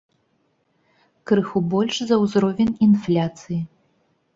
Крыху больш за ўзровень інфляцыі.